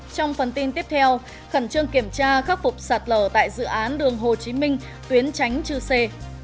trong phần tin tiếp theo khẩn trương kiểm tra khắc phục sạt lở tại dự án đường hồ chí minh tuyến tránh chư sê